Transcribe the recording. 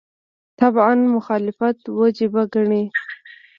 تعبداً مخالفت وجیبه ګڼي.